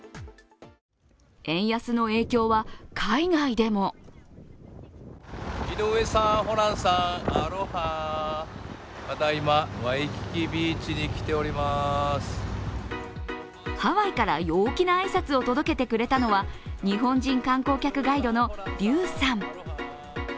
円安の影響は、海外でもハワイから陽気な挨拶を届けてくれたのは、日本人観光客ガイドのＲｙｕさん。